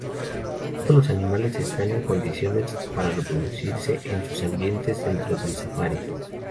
Todos los animales están en condiciones para reproducirse en sus ambientes dentro del safari.